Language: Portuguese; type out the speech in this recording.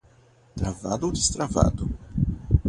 Travado ou destravado?